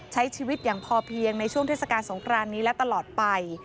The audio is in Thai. ใช้ชีวิตอย่างพอเพียงในช่วงเทศกาลสงครานนี้และตลอดไป